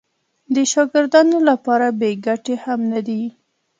د شاګردانو لپاره بې ګټې هم نه دي.